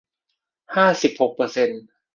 ห้าสิบหกเปอร์เซนต์